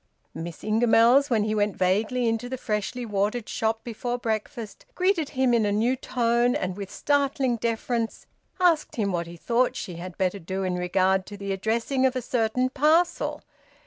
Miss Ingamells, when he went vaguely into the freshly watered shop before breakfast, greeted him in a new tone, and with startling deference asked him what he thought she had better do in regard to the addressing of a certain parcel.